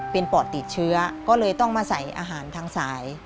เป็นปอดติดเชื้อก็เลยต้องมาใส่อาหารทางสาย